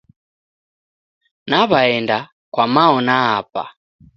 Naw'aenda kwa mao na apa.